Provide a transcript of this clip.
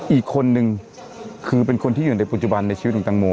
อีกคนนึงเป็นคนอยู่ในปัจจุบันชีวิตของตางโม